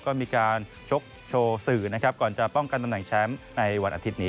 ก็มีการชกโชว์สื่อนะครับก่อนจะป้องกันตำแหน่งแชมป์ในวันอาทิตย์นี้